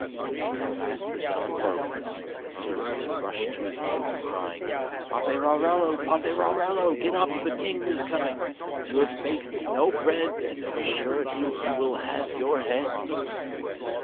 At last the dawn broke, and the servants rushed to his room, crying: "Paperarello! Paperarello! get up, the king is coming. You have baked no bread, and of a surety he will have your head."